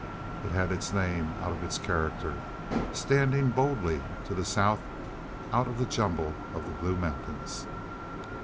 It had its name out of its character, standing boldly to the south out of the jumble of the Blue Mountains.